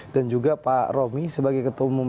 dan juga pak romi sebagai ketua umum